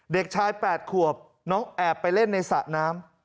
เด็กชาย๘ขวบน้องแอบไปเล่นในสระน้ำ